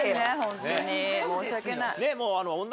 申し訳ない。